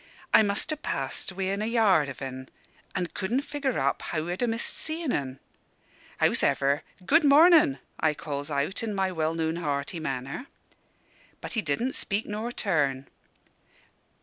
I must ha' passed within a yard of en, an' couldn' figure it up how I'd a missed seein' en. Hows'ever, 'Good mornin'!' I calls out, in my well known hearty manner. But he didn' speak nor turn.